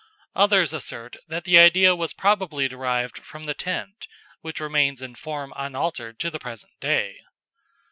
Others assert that the idea was probably derived from the tent, which remains in form unaltered to the present day.